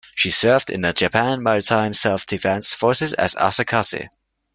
She served in the Japan Maritime Self-Defense Force as Asakaze.